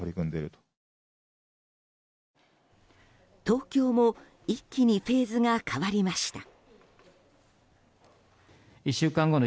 東京も一気にフェーズが変わりました。